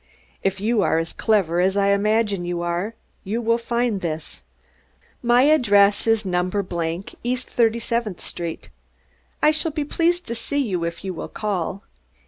_ If you are as clever as I imagine you are, you will find this. My address is No. East Thirty seventh Street. I shall be pleased to see you if you will call.